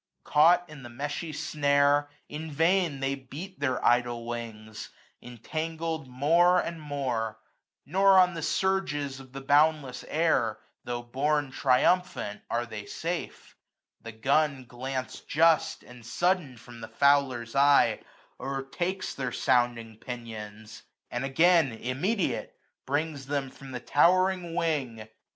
Caught in the meshy snare, in vain they beat 37a Their idle wings, intangled more and more : Nor on the surges of the boundless air, , Tho' borne triumphant, are they safe ; the gun GlancM just, and sudden, from the fowler's eye, O'ertakes their sounding pinions ; and again, 375 Immediate, brings them from the towering wing.